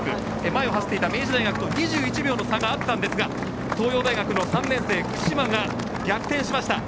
前を走っていた明治大学と２１秒の差があったんですが東洋大学の３年生九嶋が逆転しました。